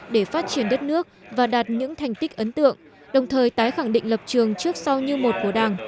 để phát triển đất nước và đạt những thành tích ấn tượng đồng thời tái khẳng định lập trường trước sau như một của đảng